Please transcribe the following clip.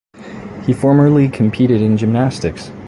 He formerly competed in gymnastics.